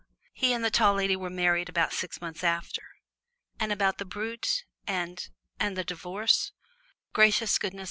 He and the Tall Lady were married about six months after. "And about the Brute and and the divorce!" "Gracious goodness!